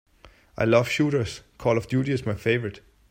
I love shooters, Call of Duty is my favorite.